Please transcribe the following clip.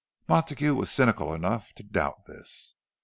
Montague was cynical enough to doubt this.